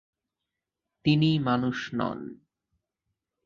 তিনি মানুষ নন।